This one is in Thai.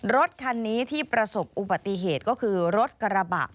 รถคันนี้ที่ประสบอุบัติเหตุก็คือรถกระบะ